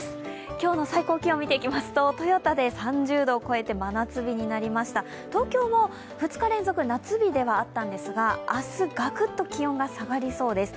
今日の最高気温を見ていきますと、豊田で３０度を超えて真夏日になりました、東京も２日連続、夏日ではあったんですが明日がくっと気温が下がりそうです。